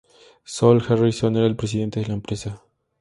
Sol Harrison era el presidente de la empresa.